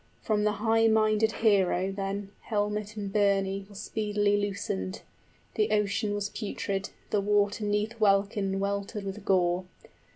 70 From the high minded hero, then, helmet and burnie Were speedily loosened: the ocean was putrid, The water 'neath welkin weltered with gore.